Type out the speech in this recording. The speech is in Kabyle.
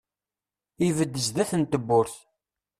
Ibedd sdat n tewwurt.